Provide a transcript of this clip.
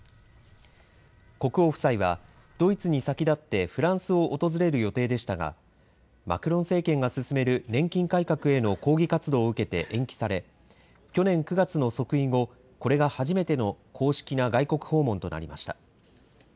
国王夫妻はドイツに先立ってフランスを訪れる予定でしたがマクロン政権が進める年金改革への抗議活動を受けて延期され去年９月の即位後、これが初めての公式な外国訪問となりました。